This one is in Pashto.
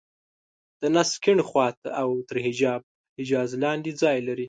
د نس کيڼ خوا ته او تر حجاب حاجز لاندې ځای لري.